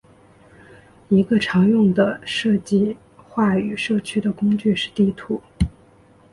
一个常用的设计话语社区的工具是地图。